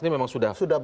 ini memang sudah